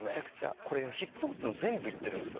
これはヒップホップの全部いってるんですよ。